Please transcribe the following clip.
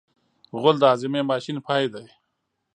غول د هاضمې ماشین پای دی.